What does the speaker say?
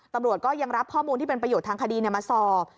ตำรวจก็ยังรับข้อมูลที่เป็นประโยชน์ทางคดีมาสอบ